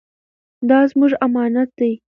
دا زموږ امانت دی.